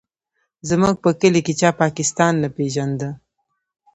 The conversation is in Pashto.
زموږ په کلي کې چا پاکستان نه پېژانده.